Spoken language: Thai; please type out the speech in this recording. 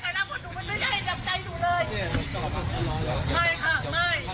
เพราะหนูมันไม่ได้ให้ดับใจหนูเลยไม่ค่ะไม่อย่างงี้อย่างงี้ค่ะ